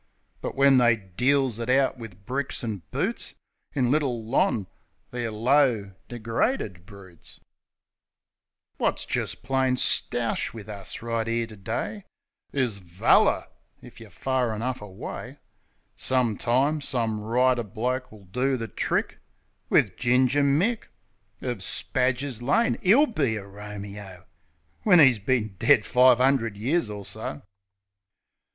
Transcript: But when they deals it out wiv bricks an' boots In Little Lon., they're low, degraded broots. THE PLAY 41 Wot's jist plain stoush wiv us, right 'ere to day, Is "valler" if yer fur enough away. Some time, some writer bloke will do the trick Wiv Ginger Mick, Of Spadger's Lane. 'E'll be a Romeo, When 'e's bin dead five 'undred years or so.